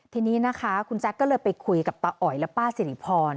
ทีนี้นะคะคุณแจ๊คก็เลยไปคุยกับตาอ๋อยและป้าสิริพร